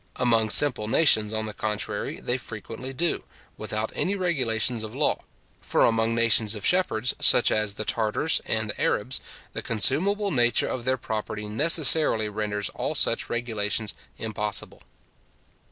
Among simple nations, on the contrary, they frequently do, without any regulations of law; for among nations of shepherds, such as the Tartars and Arabs, the consumable nature of their property necessarily renders all such regulations impossible.